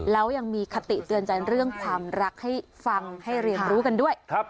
แล้วยังมีคติเตือนใจเรื่องความรักให้ฟังให้เรียนรู้กันด้วย